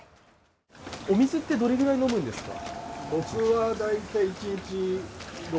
お水ってどれぐらい飲むんですか？